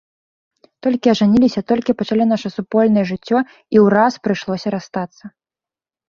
Толькі ажаніліся, толькі пачалі наша супольнае жыццё і ўраз прыйшлося расстацца.